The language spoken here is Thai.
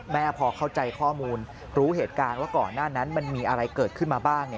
พอเข้าใจข้อมูลรู้เหตุการณ์ว่าก่อนหน้านั้นมันมีอะไรเกิดขึ้นมาบ้าง